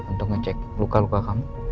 untuk ngecek luka luka kamu